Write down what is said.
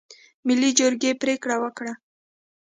ملي جرګې پرېکړه وکړه.